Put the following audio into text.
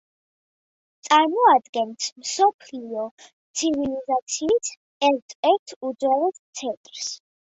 წარმოადგენს მსოფლიო ცივილიზაციის ერთ-ერთ უძველეს ცენტრს.